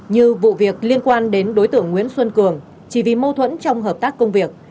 như vụ việc liên quan đến đối tượng nguyễn xuân cường chỉ vì mâu thuẫn trong hợp tác công việc